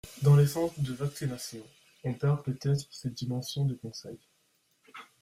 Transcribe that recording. Dans les centres de vaccination, on perd peut-être cette dimension de conseil.